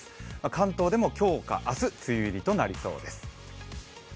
関東でも今日か明日、梅雨入りとなりそうです。